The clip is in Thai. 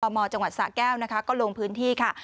ทอมมจังหวัดสาแก้วโลงพื้นที่ค่ะ